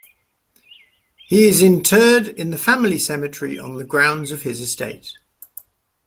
He is interred in the family cemetery on the grounds of his estate.